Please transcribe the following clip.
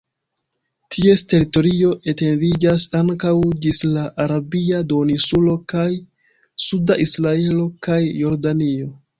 Ties teritorio etendiĝas ankaŭ ĝis la Arabia duoninsulo kaj suda Israelo kaj Jordanio.